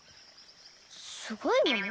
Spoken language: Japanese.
すごいもの？